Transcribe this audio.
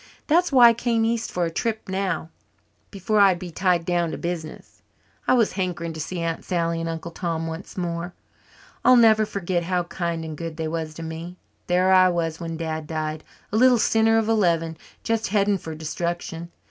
That's why I came east for a trip now before I'd be tied down to business. I was hankering to see Aunt Sally and Uncle Tom once more. I'll never forget how kind and good they was to me. There I was, when Dad died, a little sinner of eleven, just heading for destruction.